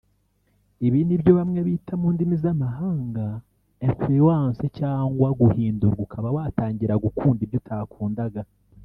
Ibi nibyo bamwe mu ndimi z’amahanga bita “influence” cyangwa guhindurwa ukaba watangira gukunda ibyo utakundaga